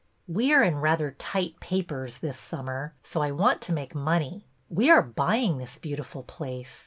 We are in rather tight papers this summer, so I want to make money. We are buying this beautiful place.